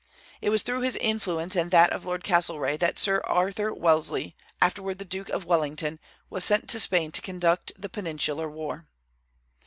It was through his influence and that of Lord Castlereagh that Sir Arthur Wellesley, afterward the Duke of Wellington, was sent to Spain to conduct the Peninsular War.